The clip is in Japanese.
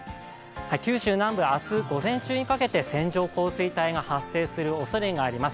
九州南部は明日午前にかけて線状降水帯が発生するおそれがあります。